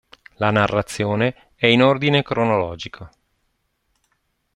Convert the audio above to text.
La narrazione è in ordine cronologico.